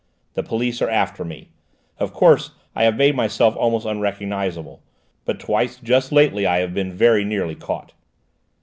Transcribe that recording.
"The police are after me. Of course I have made myself almost unrecognisable, but twice just lately I have been very nearly caught."